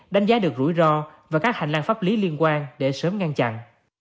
đánh giá được rủi ro và các hành lang pháp lý liên quan để sớm ngăn chặn